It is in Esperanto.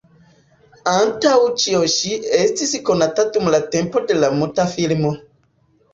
Antaŭ ĉio ŝi estis konata dum la tempo de la muta filmo.